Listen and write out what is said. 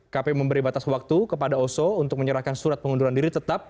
kpu memberi batas waktu kepada oso untuk menyerahkan surat pengunduran diri tetap